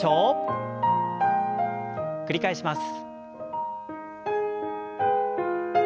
繰り返します。